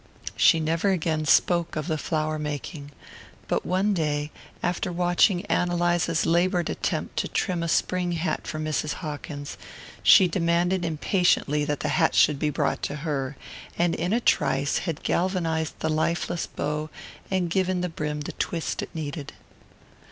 She never again spoke of the flower making, but one day, after watching Ann Eliza's laboured attempt to trim a spring hat for Mrs. Hawkins, she demanded impatiently that the hat should be brought to her, and in a trice had galvanized the lifeless bow and given the brim the twist it needed.